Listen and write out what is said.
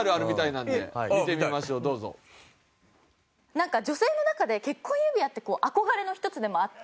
なんか女性の中で結婚指輪って憧れの一つでもあって。